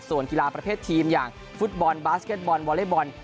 ส่วนกีฬาประเภททีมอย่างฟุตบอลบาสเก็ตบอลวอเล็กบอล